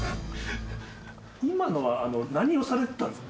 今のは何をされてたんですか？